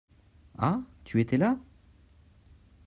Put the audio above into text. Ah ! Tu es étais là ?